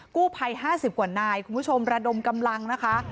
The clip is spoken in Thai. กู้ภัย๕๐กว่านายคุณผู้ชมระดมกำลังนะคะ